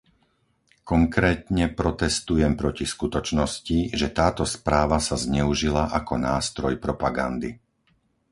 Konkrétne protestujem proti skutočnosti, že táto správa sa zneužila ako nástroj propagandy.